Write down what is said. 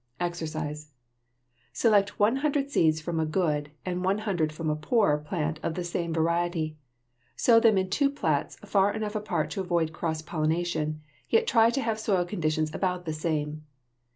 =EXERCISE= Select one hundred seeds from a good, and one hundred from a poor, plant of the same variety. Sow them in two plats far enough apart to avoid cross pollination, yet try to have soil conditions about the same.